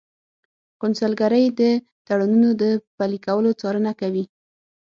قونسلګرۍ د تړونونو د پلي کولو څارنه کوي